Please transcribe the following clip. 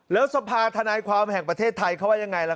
แล้วสภาธนายความแห่งประเทศไทยเขาว่ายังไงล่ะ